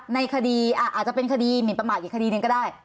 ในคดีอาจจะเป็นมินประมาทกี่คดีนึงก็ได้